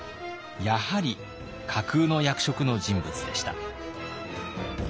やはり架空の役職の人物でした。